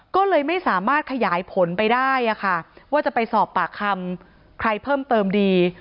ก็เลยไม่สามารถขยายผลไปได้ว่าจะไปสอบปากคำใครเพิ่มเติมดี